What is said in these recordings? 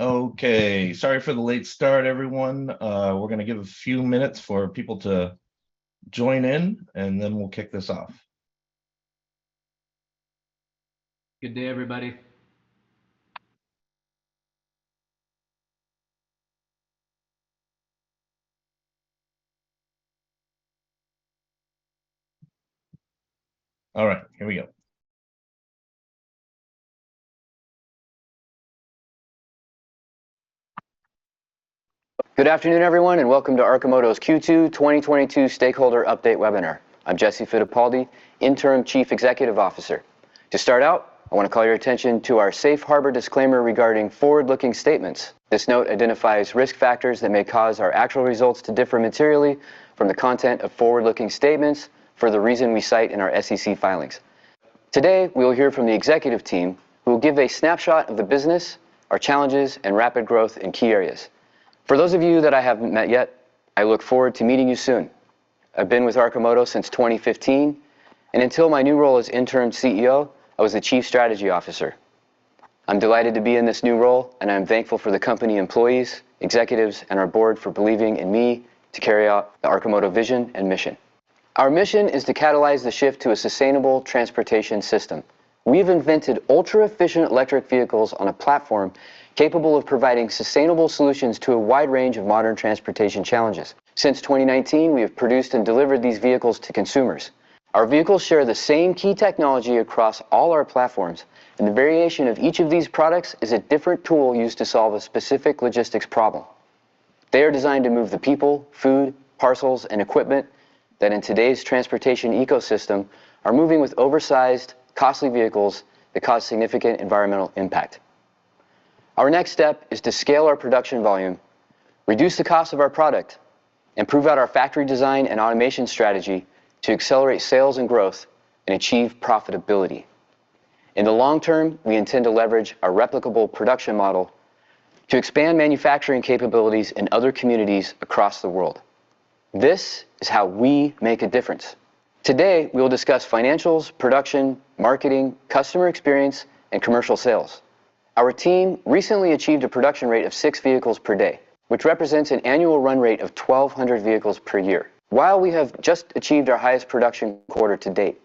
Okay. Sorry for the late start, everyone. We're gonna give a few minutes for people to join in, and then we'll kick this off. Good day, everybody. All right, here we go. Good afternoon, everyone, and welcome to Arcimoto's Q2 2022 Stakeholder Update Webinar. I'm Jesse Fittipaldi, Interim Chief Executive Officer. To start out, I wanna call your attention to our Safe Harbor disclaimer regarding forward-looking statements. This note identifies risk factors that may cause our actual results to differ materially from the content of forward-looking statements for the reason we cite in our SEC filings. Today, we will hear from the executive team who will give a snapshot of the business, our challenges, and rapid growth in key areas. For those of you that I haven't met yet, I look forward to meeting you soon. I've been with Arcimoto since 2015, and until my new role as interim CEO, I was the Chief Strategy Officer. I'm delighted to be in this new role, and I'm thankful for the company employees, executives, and our board for believing in me to carry out the Arcimoto vision and mission. Our mission is to catalyze the shift to a sustainable transportation system. We've invented ultra-efficient electric vehicles on a platform capable of providing sustainable solutions to a wide range of modern transportation challenges. Since 2019, we have produced and delivered these vehicles to consumers. Our vehicles share the same key technology across all our platforms, and the variation of each of these products is a different tool used to solve a specific logistics problem. They are designed to move the people, food, parcels, and equipment that, in today's transportation ecosystem, are moving with oversized, costly vehicles that cause significant environmental impact. Our next step is to scale our production volume, reduce the cost of our product, and prove out our factory design and automation strategy to accelerate sales and growth and achieve profitability. In the long term, we intend to leverage our replicable production model to expand manufacturing capabilities in other communities across the world. This is how we make a difference. Today, we will discuss financials, production, marketing, customer experience, and commercial sales. Our team recently achieved a production rate of six vehicles per day, which represents an annual run rate of 1,200 vehicles per year. While we have just achieved our highest production quarter to date,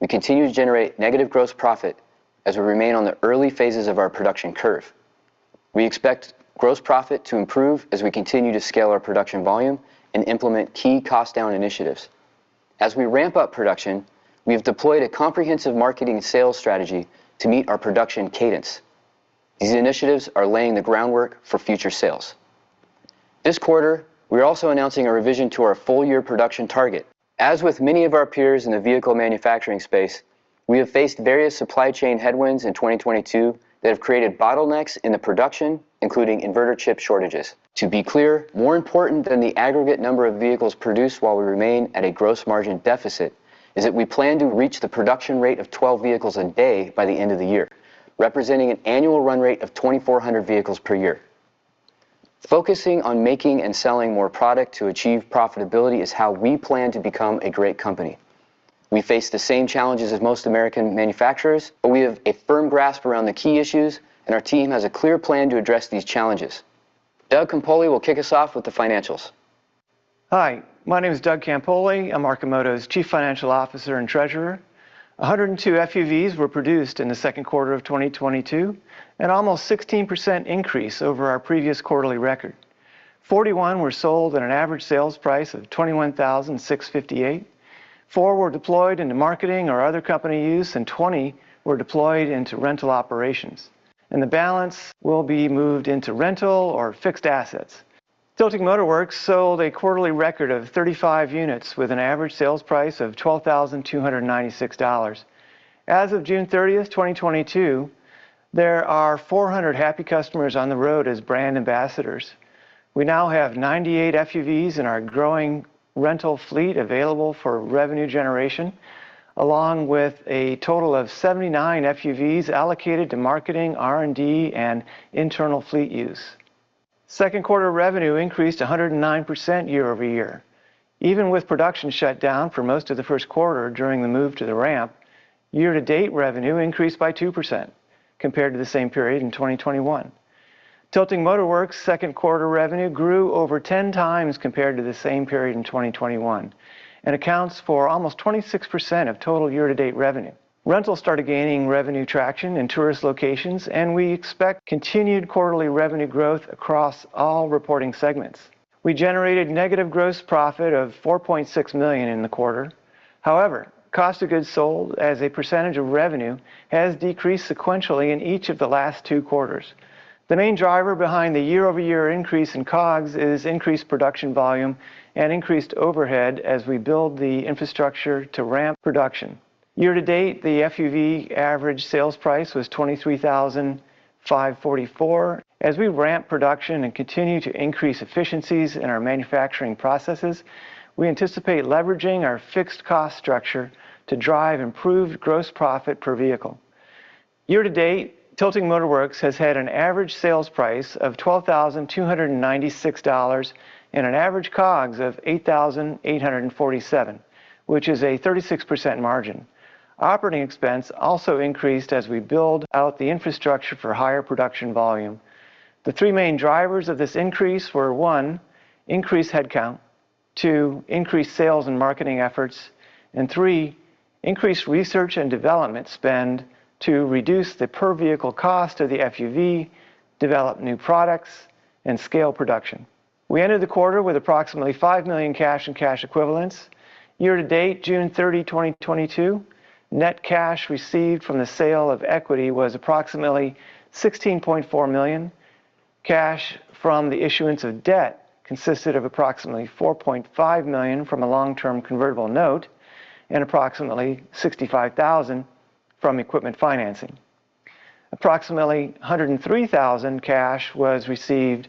we continue to generate negative gross profit as we remain on the early phases of our production curve. We expect gross profit to improve as we continue to scale our production volume and implement key cost down initiatives. As we ramp up production, we have deployed a comprehensive marketing sales strategy to meet our production cadence. These initiatives are laying the groundwork for future sales. This quarter, we're also announcing a revision to our full-year production target. As with many of our peers in the vehicle manufacturing space, we have faced various supply chain headwinds in 2022 that have created bottlenecks in the production, including inverter chip shortages. To be clear, more important than the aggregate number of vehicles produced while we remain at a gross margin deficit is that we plan to reach the production rate of 12 vehicles a day by the end of the year, representing an annual run rate of 2,400 vehicles per year. Focusing on making and selling more product to achieve profitability is how we plan to become a great company. We face the same challenges as most American manufacturers, but we have a firm grasp around the key issues, and our team has a clear plan to address these challenges. Doug Campoli will kick us off with the financials. Hi, my name is Doug Campoli. I'm Arcimoto's Chief Financial Officer and Treasurer. 102 FUVs were produced in the second quarter of 2022, an almost 16% increase over our previous quarterly record. 41 were sold at an average sales price of $21,658. Four were deployed into marketing or other company use, and 20 were deployed into rental operations. The balance will be moved into rental or fixed assets. Tilting Motor Works sold a quarterly record of 35 units with an average sales price of $12,296. As of June 30th, 2022, there are 400 happy customers on the road as brand ambassadors. We now have 98 FUVs in our growing rental fleet available for revenue generation, along with a total of 79 FUVs allocated to marketing, R&D, and internal fleet use. Second quarter revenue increased 109% year-over-year. Even with production shut down for most of the first quarter during the move to the ramp, year-to-date revenue increased by 2% compared to the same period in 2021. Tilting Motor Works' second quarter revenue grew over 10x compared to the same period in 2021 and accounts for almost 26% of total year-to-date revenue. Rental started gaining revenue traction in tourist locations, and we expect continued quarterly revenue growth across all reporting segments. We generated negative gross profit of $4.6 million in the quarter. However, cost of goods sold as a percentage of revenue has decreased sequentially in each of the last two quarters. The main driver behind the year-over-year increase in COGS is increased production volume and increased overhead as we build the infrastructure to ramp production. Year to date, the FUV average sales price was $23,544. As we ramp production and continue to increase efficiencies in our manufacturing processes, we anticipate leveraging our fixed cost structure to drive improved gross profit per vehicle. Year to date, Tilting Motor Works has had an average sales price of $12,296 and an average COGS of $8,847, which is a 36% margin. Operating expense also increased as we build out the infrastructure for higher production volume. The three main drivers of this increase were one, increased headcount, two, to increase sales and marketing efforts, and three, increase research and development spend to reduce the per vehicle cost of the FUV, develop new products, and scale production. We entered the quarter with approximately $5 million cash and cash equivalents. Year to date, June 30, 2022, net cash received from the sale of equity was approximately $16.4 million. Cash from the issuance of debt consisted of approximately $4.5 million from a long-term convertible note and approximately $65,000 from equipment financing. Approximately $103,000 cash was received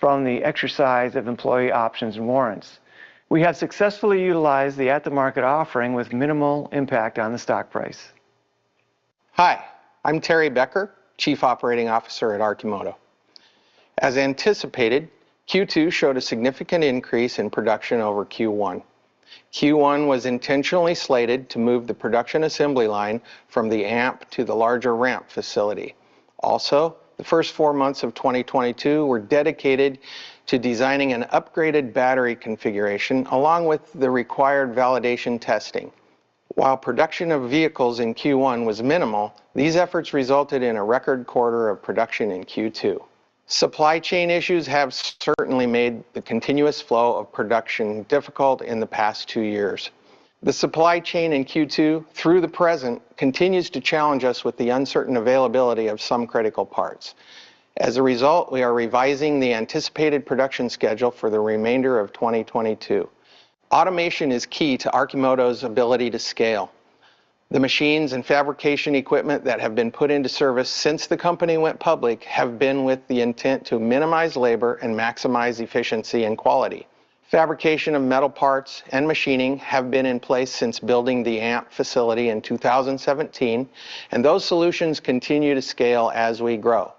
from the exercise of employee options and warrants. We have successfully utilized the at-the-market offering with minimal impact on the stock price. Hi, I'm Terry Becker, Chief Operating Officer at Arcimoto. As anticipated, Q2 showed a significant increase in production over Q1. Q1 was intentionally slated to move the production assembly line from the AMP to the larger RAMP facility. Also, the first four months of 2022 were dedicated to designing an upgraded battery configuration along with the required validation testing. While production of vehicles in Q1 was minimal, these efforts resulted in a record quarter of production in Q2. Supply chain issues have certainly made the continuous flow of production difficult in the past two years. The supply chain in Q2 through the present continues to challenge us with the uncertain availability of some critical parts. As a result, we are revising the anticipated production schedule for the remainder of 2022. Automation is key to Arcimoto's ability to scale. The machines and fabrication equipment that have been put into service since the company went public have been with the intent to minimize labor and maximize efficiency and quality. Fabrication of metal parts and machining have been in place since building the AMP facility in 2017, and those solutions continue to scale as we grow.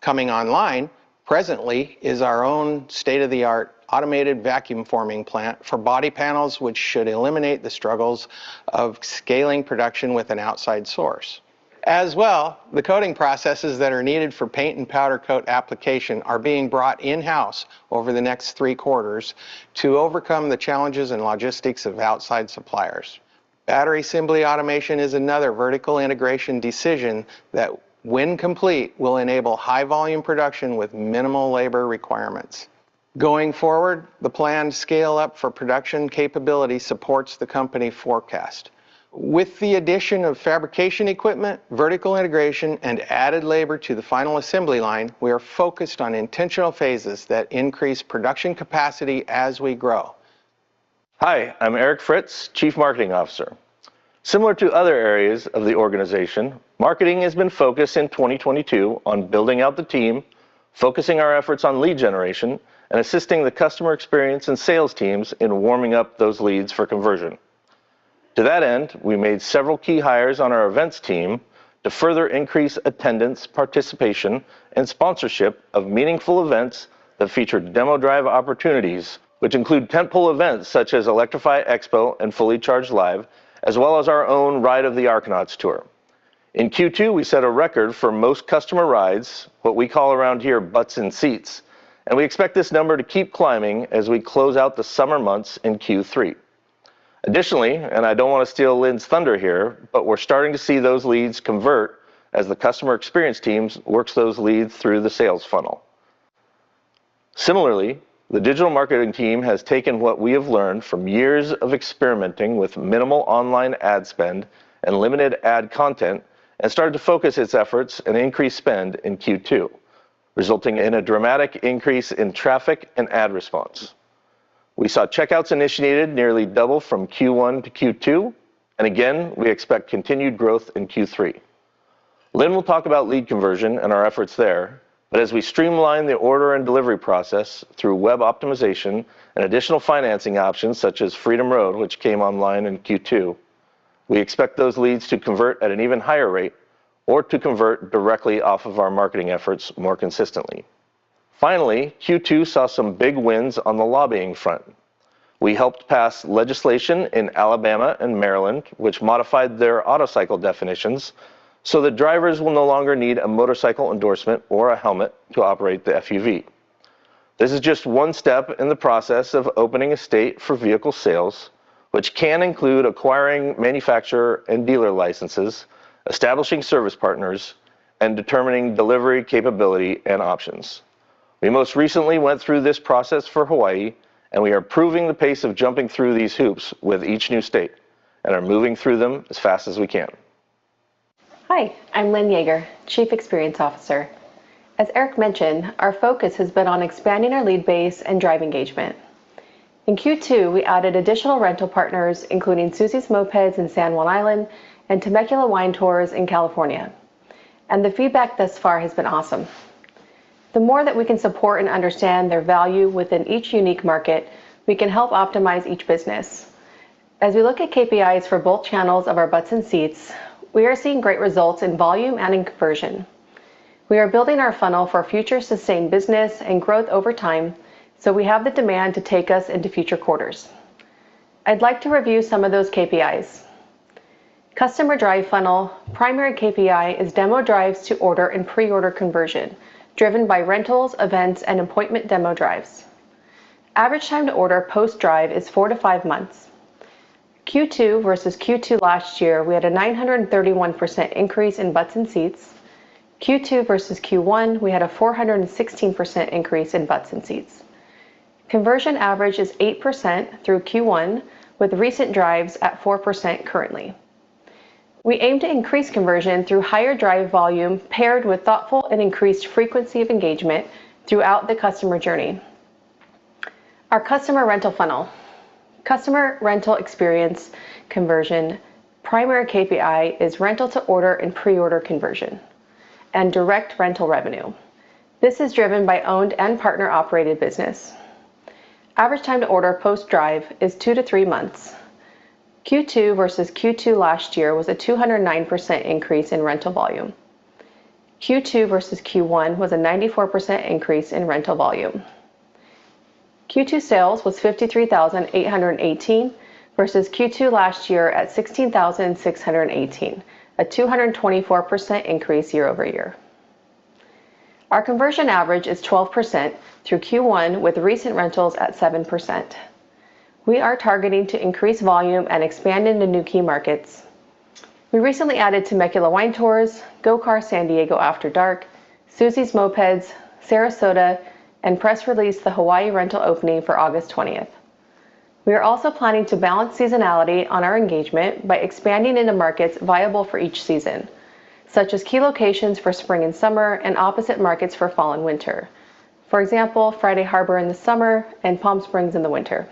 Coming online presently is our own state-of-the-art automated vacuum forming plant for body panels, which should eliminate the struggles of scaling production with an outside source. As well, the coating processes that are needed for paint and powder coat application are being brought in-house over the next three quarters to overcome the challenges and logistics of outside suppliers. Battery assembly automation is another vertical integration decision that when complete, will enable high volume production with minimal labor requirements. Going forward, the planned scale up for production capability supports the company forecast. With the addition of fabrication equipment, vertical integration, and added labor to the final assembly line, we are focused on intentional phases that increase production capacity as we grow. Hi, I'm Eric Fritz, Chief Marketing Officer. Similar to other areas of the organization, marketing has been focused in 2022 on building out the team, focusing our efforts on lead generation, and assisting the customer experience and sales teams in warming up those leads for conversion. To that end, we made several key hires on our events team to further increase attendance, participation, and sponsorship of meaningful events that featured demo drive opportunities, which include tent pole events such as Electrify Expo and Fully Charged LIVE, as well as our own Ride of the Arconauts tour. In Q2, we set a record for most customer rides, what we call around here butts in seats, and we expect this number to keep climbing as we close out the summer months in Q3. Additionally, I don't wanna steal Lynn's thunder here, but we're starting to see those leads convert as the customer experience team works those leads through the sales funnel. Similarly, the digital marketing team has taken what we have learned from years of experimenting with minimal online ad spend and limited ad content and started to focus its efforts and increase spend in Q2, resulting in a dramatic increase in traffic and ad response. We saw checkouts initiated nearly double from Q1 to Q2, and again, we expect continued growth in Q3. Lynn will talk about lead conversion and our efforts there, but as we streamline the order and delivery process through web optimization and additional financing options such as FreedomRoad Financial, which came online in Q2, we expect those leads to convert at an even higher rate or to convert directly off of our marketing efforts more consistently. Finally, Q2 saw some big wins on the lobbying front. We helped pass legislation in Alabama and Maryland, which modified their autocycle definitions so that drivers will no longer need a motorcycle endorsement or a helmet to operate the FUV. This is just one step in the process of opening a state for vehicle sales, which can include acquiring manufacturer and dealer licenses, establishing service partners, and determining delivery capability and options. We most recently went through this process for Hawaii, and we are improving the pace of jumping through these hoops with each new state and are moving through them as fast as we can. Hi, I'm Lynn Yeager, Chief Experience Officer. As Eric mentioned, our focus has been on expanding our lead base and driving engagement. In Q2, we added additional rental partners, including Susie's Mopeds in San Juan Island and Temecula Wine Tours in California, and the feedback thus far has been awesome. The more that we can support and understand their value within each unique market, we can help optimize each business. As we look at KPIs for both channels of our butts in seats, we are seeing great results in volume and in conversion. We are building our funnel for future sustained business and growth over time, so we have the demand to take us into future quarters. I'd like to review some of those KPIs. Customer drive funnel primary KPI is demo drives to order and pre-order conversion driven by rentals, events, and appointment demo drives. Average time to order post-drive is four to five months. Q2 versus Q2 last year, we had a 931% increase in butts in seats. Q2 versus Q1, we had a 416% increase in butts in seats. Conversion average is 8% through Q1 with recent drives at 4% currently. We aim to increase conversion through higher drive volume paired with thoughtful and increased frequency of engagement throughout the customer journey. Our customer rental funnel. Customer rental experience conversion primary KPI is rental to order and pre-order conversion and direct rental revenue. This is driven by owned and partner-operated business. Average time to order post-drive is two to three months. Q2 versus Q2 last year was a 209% increase in rental volume. Q2 versus Q1 was a 94% increase in rental volume. Q2 sales was $53,818 versus Q2 last year at $16,618, a 224% increase year-over-year. Our conversion average is 12% through Q1 with recent rentals at 7%. We are targeting to increase volume and expand into new key markets. We recently added Temecula Wine Tours, GoCar San Diego After Dark, Susie's Mopeds, Sarasota, and press released the Hawaii rental opening for August 20th. We are also planning to balance seasonality on our engagement by expanding into markets viable for each season, such as key locations for spring and summer and opposite markets for fall and winter. For example, Friday Harbor in the summer and Palm Springs in the winter.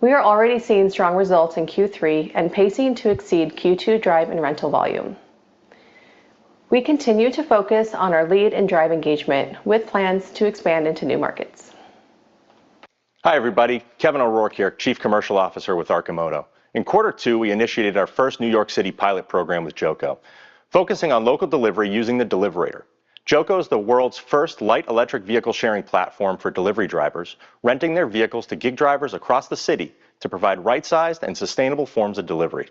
We are already seeing strong results in Q3 and pacing to exceed Q2 drive and rental volume. We continue to focus on our lead and drive engagement with plans to expand into new markets. Hi, everybody. Kevin O'Rourke here, Chief Commercial Officer with Arcimoto. In quarter two, we initiated our first New York City pilot program with JOCO, focusing on local delivery using the Deliverator. JOCO is the world's first light electric vehicle sharing platform for delivery drivers, renting their vehicles to gig drivers across the city to provide right-sized and sustainable forms of delivery.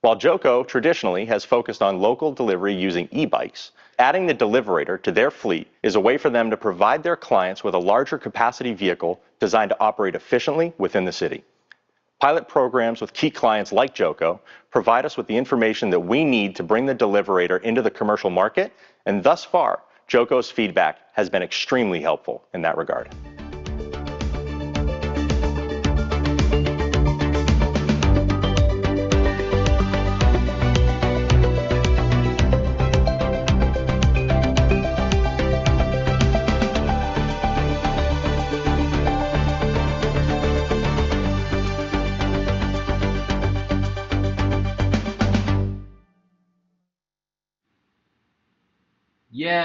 While JOCO traditionally has focused on local delivery using e-bikes, adding the Deliverator to their fleet is a way for them to provide their clients with a larger capacity vehicle designed to operate efficiently within the city. Pilot programs with key clients like JOCO provide us with the information that we need to bring the Deliverator into the commercial market, and thus far, JOCO's feedback has been extremely helpful in that regard.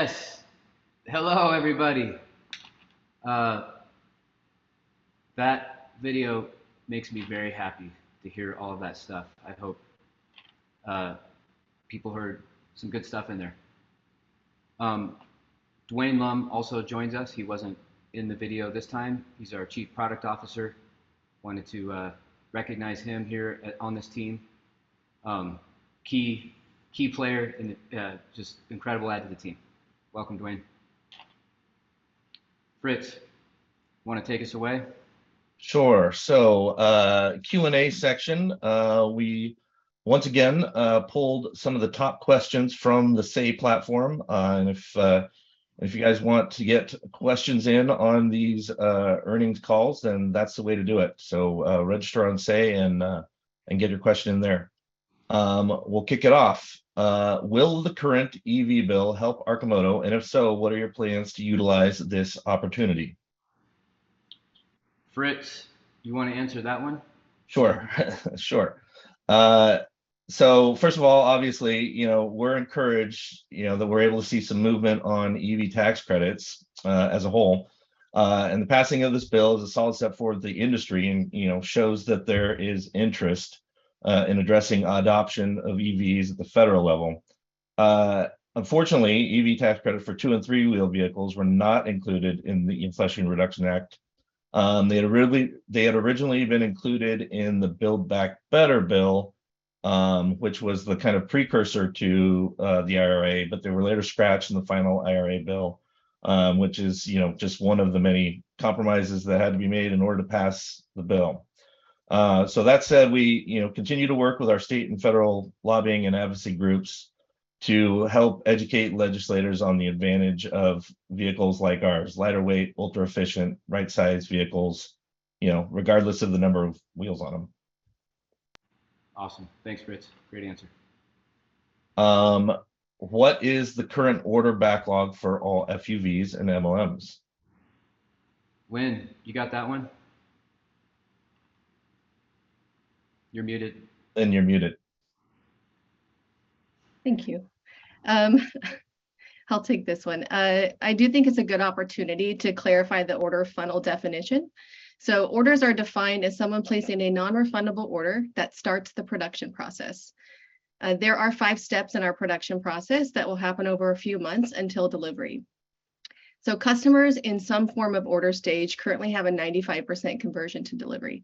Yes. Hello, everybody. That video makes me very happy to hear all of that stuff. I hope people heard some good stuff in there. Dwayne Lum also joins us. He wasn't in the video this time. He's our Chief Product Officer. Wanted to recognize him here, on this team. Key player and just incredible add to the team. Welcome, Dwayne. Fritz, wanna take us away? Sure. Q&A section. We once again pulled some of the top questions from the Say platform. If you guys want to get questions in on these earnings calls, then that's the way to do it. Register on Say and get your question in there. We'll kick it off. Will the current EV bill help Arcimoto, and if so, what are your plans to utilize this opportunity? Fritz, you wanna answer that one? Sure. First of all, obviously, you know, we're encouraged, you know, that we're able to see some movement on EV tax credits, as a whole. The passing of this bill is a solid step for the industry and, you know, shows that there is interest in addressing adoption of EVs at the federal level. Unfortunately, EV tax credit for two- and three-wheeled vehicles were not included in the Inflation Reduction Act. They had originally been included in the Build Back Better bill, which was the kind of precursor to the IRA, but they were later scratched in the final IRA bill, which is, you know, just one of the many compromises that had to be made in order to pass the bill. That said, we continue to work with our state and federal lobbying and advocacy groups to help educate legislators on the advantage of vehicles like ours, lighter weight, ultra-efficient, right-sized vehicles, you know, regardless of the number of wheels on them. Awesome. Thanks, Fritz. Great answer. What is the current order backlog for all FUVs and MLMs? Lynn, you got that one? You're muted. Lynn, you're muted. Thank you. I'll take this one. I do think it's a good opportunity to clarify the order funnel definition. Orders are defined as someone placing a non-refundable order that starts the production process. There are five steps in our production process that will happen over a few months until delivery. Customers in some form of order stage currently have a 95% conversion to delivery.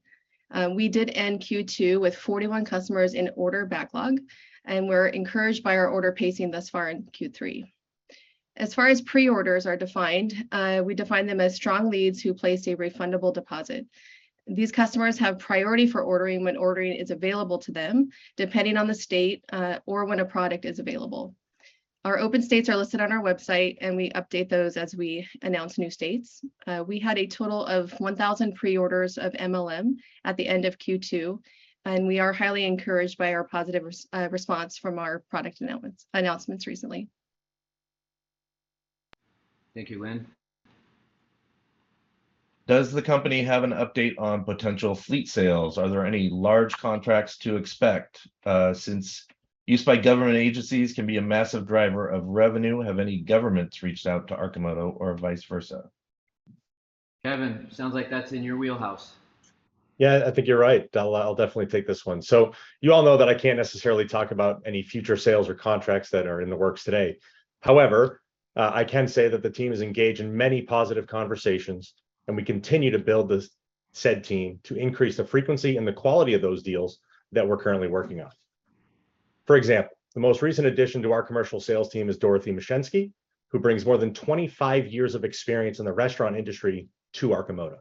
We did end Q2 with 41 customers in order backlog, and we're encouraged by our order pacing thus far in Q3. As far as pre-orders are defined, we define them as strong leads who place a refundable deposit. These customers have priority for ordering when ordering is available to them, depending on the state, or when a product is available. Our open states are listed on our website, and we update those as we announce new states. We had a total of 1,000 pre-orders of MLM at the end of Q2, and we are highly encouraged by our positive response from our product announcements recently. Thank you, Lynn. Does the company have an update on potential fleet sales? Are there any large contracts to expect? Since use by government agencies can be a massive driver of revenue, have any governments reached out to Arcimoto or vice versa? Kevin, sounds like that's in your wheelhouse. Yeah, I think you're right. I'll definitely take this one. You all know that I can't necessarily talk about any future sales or contracts that are in the works today. However, I can say that the team is engaged in many positive conversations, and we continue to build the said team to increase the frequency and the quality of those deals that we're currently working on. For example, the most recent addition to our commercial sales team is Dorothy Mashensky, who brings more than 25 years of experience in the restaurant industry to Arcimoto.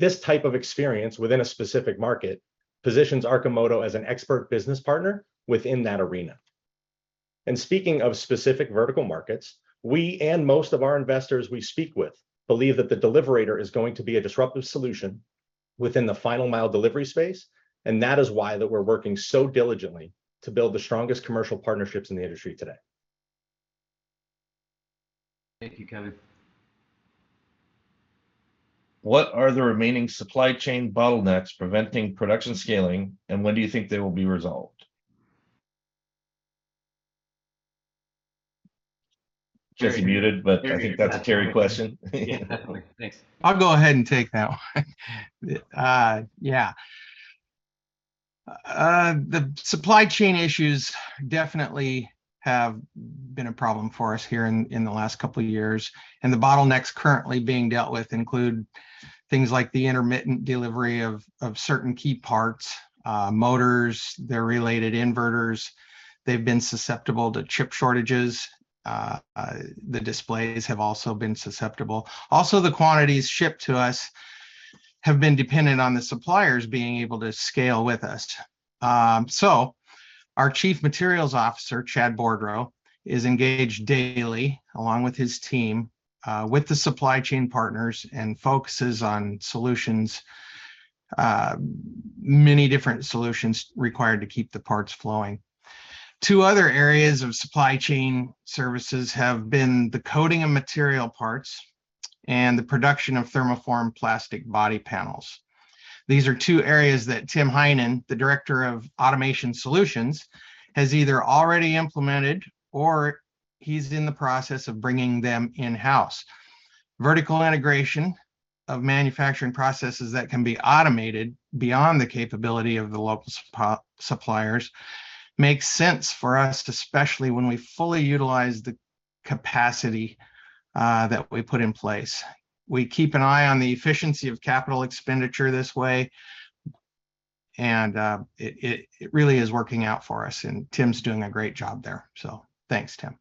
This type of experience within a specific market positions Arcimoto as an expert business partner within that arena. Speaking of specific vertical markets, we and most of our investors we speak with believe that the Deliverator is going to be a disruptive solution within the final mile delivery space, and that is why we're working so diligently to build the strongest commercial partnerships in the industry today. Thank you, Kevin. What are the remaining supply chain bottlenecks preventing production scaling, and when do you think they will be resolved? Terry muted, but I think that's a Terry question. Yeah. Thanks. I'll go ahead and take that one. The supply chain issues definitely have been a problem for us here in the last couple of years, and the bottlenecks currently being dealt with include things like the intermittent delivery of certain key parts, motors, their related inverters. They've been susceptible to chip shortages. The displays have also been susceptible. Also, the quantities shipped to us have been dependent on the suppliers being able to scale with us. Our Chief Materials Officer, Chad Boardrow, is engaged daily, along with his team, with the supply chain partners and focuses on solutions, many different solutions required to keep the parts flowing. Two other areas of supply chain services have been the coating of material parts and the production of thermoform plastic body panels. These are two areas that Tim Hynen, the Director of Automation Solutions, has either already implemented or he's in the process of bringing them in-house. Vertical integration of manufacturing processes that can be automated beyond the capability of the local suppliers makes sense for us, especially when we fully utilize the capacity that we put in place. We keep an eye on the efficiency of capital expenditure this way, and it really is working out for us, and Tim's doing a great job there. Thanks, Tim.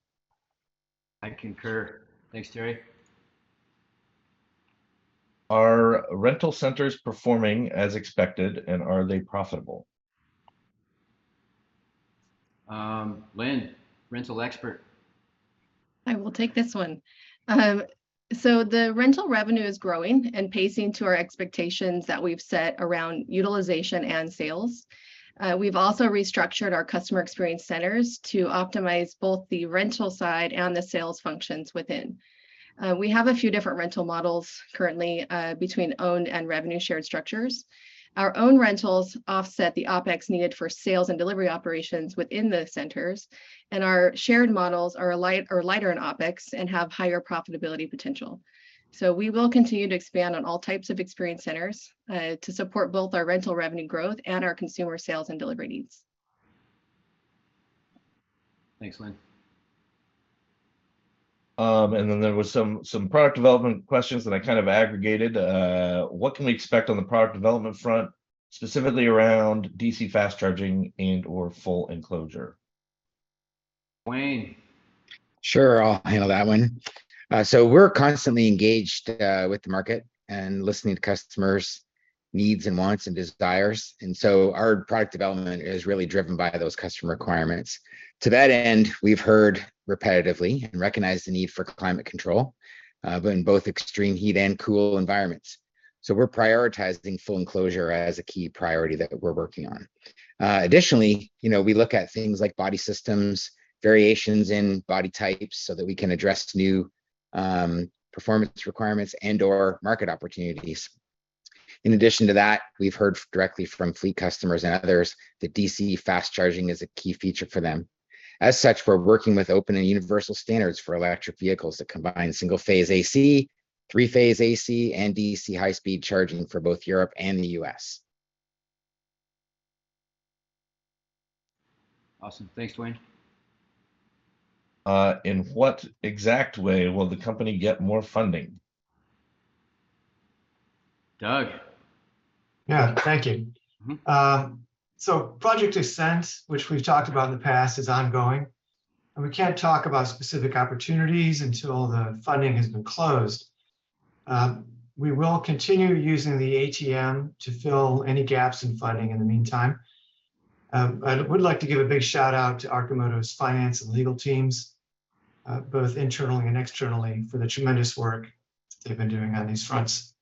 I concur. Thanks, Terry. Are rental centers performing as expected, and are they profitable? Lynn, rental expert. I will take this one. The rental revenue is growing and pacing to our expectations that we've set around utilization and sales. We've also restructured our customer experience centers to optimize both the rental side and the sales functions within. We have a few different rental models currently, between owned and revenue shared structures. Our own rentals offset the OpEx needed for sales and delivery operations within the centers, and our shared models are lighter in OpEx and have higher profitability potential. We will continue to expand on all types of experience centers to support both our rental revenue growth and our consumer sales and delivery needs. Thanks, Lynn. There was some product development questions that I kind of aggregated. What can we expect on the product development front, specifically around DC fast charging and/or full enclosure? Wayne. Sure, I'll handle that one. We're constantly engaged with the market and listening to customers' needs and wants and desires, and our product development is really driven by those customer requirements. To that end, we've heard repetitively and recognized the need for climate control, but in both extreme heat and cool environments. We're prioritizing full enclosure as a key priority that we're working on. Additionally, you know, we look at things like body systems, variations in body types so that we can address new performance requirements and/or market opportunities. In addition to that, we've heard directly from fleet customers and others that DC fast charging is a key feature for them. As such, we're working with open and universal standards for electric vehicles that combine single-phase AC, three-phase AC, and DC high-speed charging for both Europe and the U.S. Awesome. Thanks, Dwayne. In what exact way will the company get more funding? Doug? Yeah, thank you. Mm-hmm. Project Ascent, which we've talked about in the past, is ongoing, and we can't talk about specific opportunities until the funding has been closed. We will continue using the ATM to fill any gaps in funding in the meantime. I would like to give a big shout-out to Arcimoto's finance and legal teams, both internally and externally for the tremendous work they've been doing on these fronts.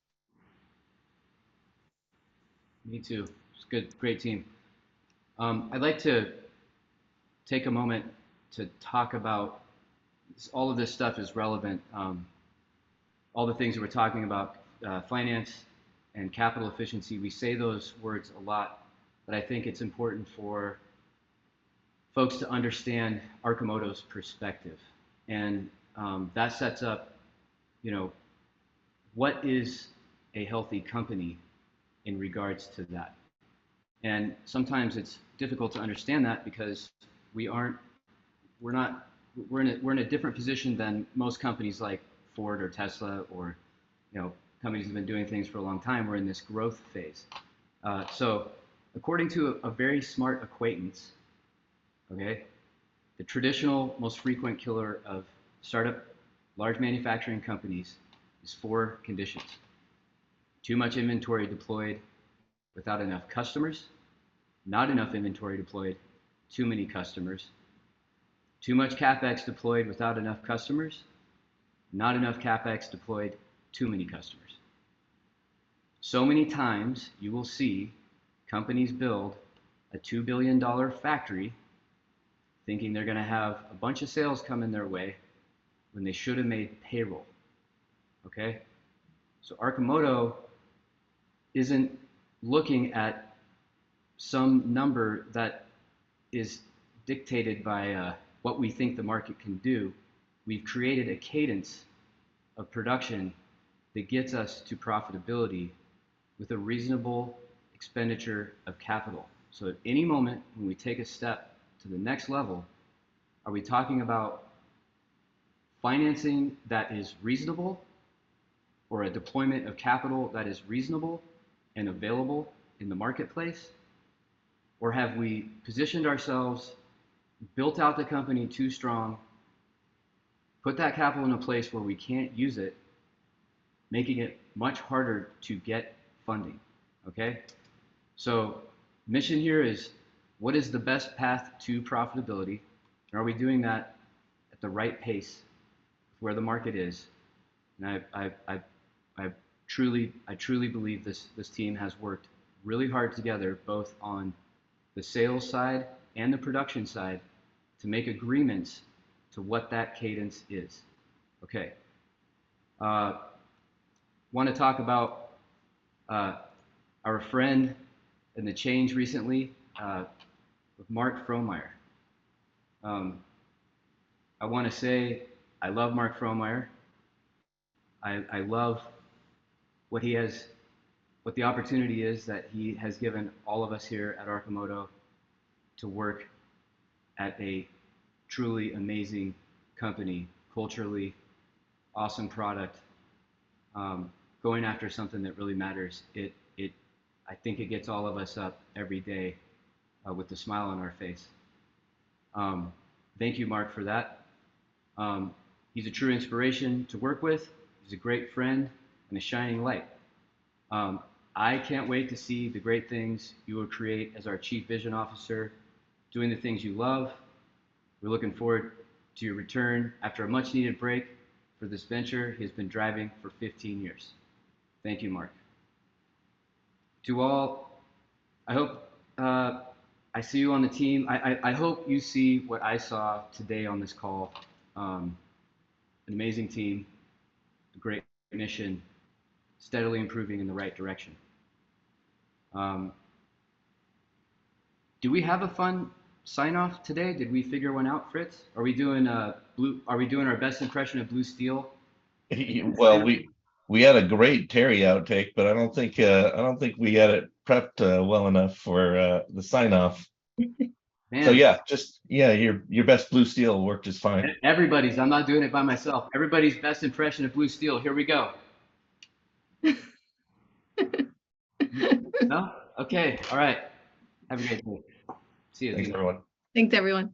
Me too. It's good, great team. I'd like to take a moment to talk about all of this stuff is relevant. All the things that we're talking about, finance and capital efficiency, we say those words a lot, but I think it's important for folks to understand Arcimoto's perspective. That sets up, you know, what is a healthy company in regards to that. Sometimes it's difficult to understand that because we're in a different position than most companies like Ford or Tesla or, you know, companies that have been doing things for a long time. We're in this growth phase. According to a very smart acquaintance, okay, the traditional most frequent killer of startup large manufacturing companies is four conditions, too much inventory deployed without enough customers, not enough inventory deployed, too many customers, too much CapEx deployed without enough customers, not enough CapEx deployed, too many customers. Many times you will see companies build a 2-billion-dollar factory thinking they're gonna have a bunch of sales coming their way when they should have made payroll, okay? Arcimoto isn't looking at some number that is dictated by, what we think the market can do. We've created a cadence of production that gets us to profitability with a reasonable expenditure of capital. At any moment when we take a step to the next level, are we talking about financing that is reasonable or a deployment of capital that is reasonable and available in the marketplace? Have we positioned ourselves, built out the company too strong, put that capital in a place where we can't use it, making it much harder to get funding, okay? Mission here is, what is the best path to profitability? Are we doing that at the right pace where the market is? I truly believe this team has worked really hard together, both on the sales side and the production side, to make agreements to what that cadence is. Okay. Wanna talk about our friend and the change recently, Mark Frohnmayer. I wanna say I love Mark Frohnmayer. I love what the opportunity is that he has given all of us here at Arcimoto to work at a truly amazing company, culturally awesome product, going after something that really matters. I think it gets all of us up every day with a smile on our face. Thank you, Mark, for that. He's a true inspiration to work with. He's a great friend and a shining light. I can't wait to see the great things you will create as our Chief Vision Officer doing the things you love. We're looking forward to your return after a much-needed break for this venture he's been driving for 15 years. Thank you, Mark. To all, I hope I see you on the team. I hope you see what I saw today on this call. An amazing team, a great mission, steadily improving in the right direction. Do we have a fun sign-off today? Did we figure one out, Fritz? Are we doing our best impression of Blue Steel? Well, we had a great Terry outtake, but I don't think we had it prepped well enough for the sign-off. Man. Yeah, your best Blue Steel worked just fine. Everybody's. I'm not doing it by myself. Everybody's best impression of Blue Steel. Here we go. No? Okay. All right. Have a great week. See you. Thanks, everyone. Thanks, everyone.